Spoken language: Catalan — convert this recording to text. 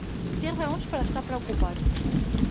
Té raons per a estar preocupat.